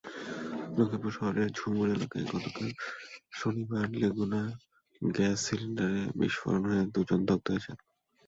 লক্ষ্মীপুর শহরের ঝুমুর এলাকায় গতকাল শনিবার লেগুনার গ্যাস সিলিন্ডার বিস্ফোরণে দুজন দগ্ধ হয়েছেন।